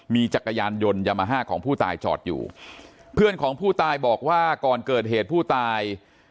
มีจักรยานยนต์ยามาฮ่าของผู้ตายจอดอยู่เพื่อนของผู้ตายบอกว่าก่อนเกิดเหตุผู้ตาย